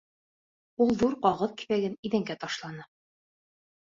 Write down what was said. Ул ҙур ҡағыҙ киҫәген иҙәнгә ташланы.